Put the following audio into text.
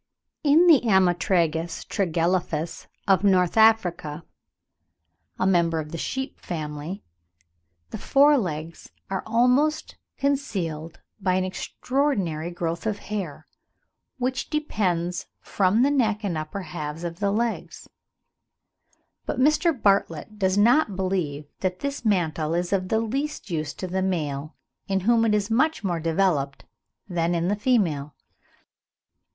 In the Ammotragus tragelaphus of North Africa, a member of the sheep family, the fore legs are almost concealed by an extraordinary growth of hair, which depends from the neck and upper halves of the legs; but Mr. Bartlett does not believe that this mantle is of the least use to the male, in whom it is much more developed than in the female. [Fig. 68. Pithecia satanas, male (from Brehm).